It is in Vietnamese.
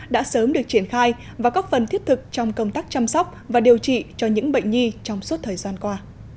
đã sớm được triển khai và góp phần thiết thực trong công tác chăm sóc và điều trị cho những bệnh nhi trong suốt thời gian qua